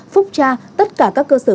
phúc tra tất cả các cơ sở